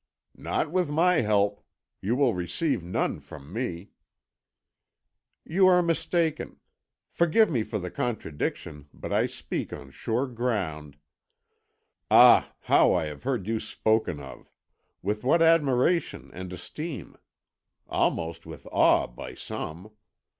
"Not with my help. You will receive none from me." "You are mistaken. Forgive me for the contradiction, but I speak on sure ground. Ah, how I have heard you spoken of! With what admiration and esteem! Almost with awe by some.